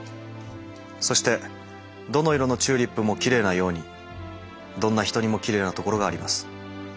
そしてどの色のチューリップもきれいなようにどんな人にもきれいなところがあります。